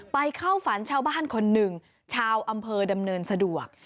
เข้าฝันชาวบ้านคนหนึ่งชาวอำเภอดำเนินสะดวก